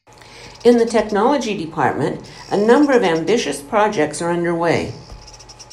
In the Technology Department, a number of ambitious projects are underway.